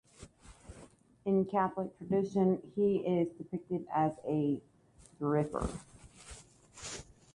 In Catholic Tradition, he is depicted as a thurifer.